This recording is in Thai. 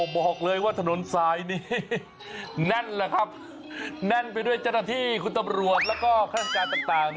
บอกเลยว่าถนนสายนี้แน่นแหละครับแน่นไปด้วยเจ้าหน้าที่คุณตำรวจแล้วก็ฆาติการต่าง